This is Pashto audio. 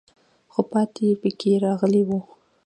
خو پاتې پکې راغلی وو.